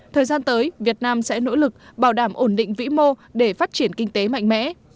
thời gian tới việt nam sẽ nỗ lực bảo đảm ổn định vĩ mô để phát triển kinh tế mạnh mẽ